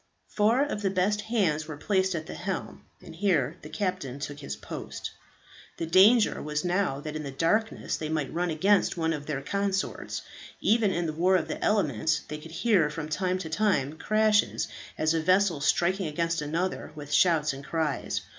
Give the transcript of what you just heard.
Four of the best hands were placed at the helm; and here the captain took his post. The danger was now that in the darkness they might run against one of their consorts. Even in the war of the elements they could hear from time to time crashes as of vessels striking against each other, with shouts and cries.